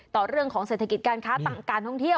ต่อเรื่องของเศรษฐกิจการค้าการท่องเที่ยว